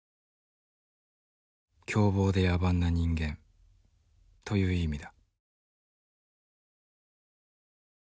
凶暴で野蛮な人間という意味だ。